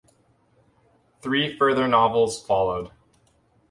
Three further novels followed.